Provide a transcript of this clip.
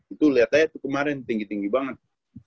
itu liat aja kemarin tinggi tinggi banget